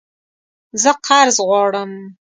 زه قرض غواړم